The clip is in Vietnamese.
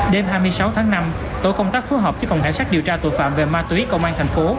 đêm hai mươi sáu tháng năm tổ công tác phối hợp với phòng cảnh sát điều tra tội phạm về ma túy công an thành phố